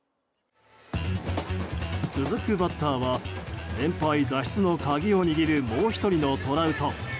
続くバッターは連敗脱出の鍵を握るもう１人のトラウト。